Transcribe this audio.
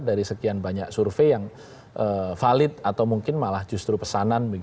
dari sekian banyak survei yang valid atau mungkin malah justru pesanan